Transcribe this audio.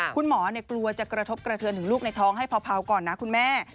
กลัวจะกระทบกระเทือนถึงลูกในท้องให้เผาก่อนนะคุณแม่